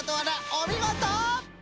おみごと！